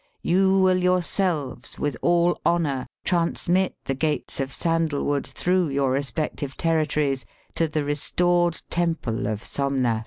You will yourselves with all honour transmit the gates of sandalwood through your respective territories to the restored Temple of Somnath."